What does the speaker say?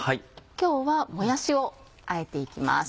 今日はもやしをあえていきます。